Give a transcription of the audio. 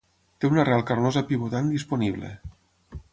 Té una arrel carnosa pivotant disponible.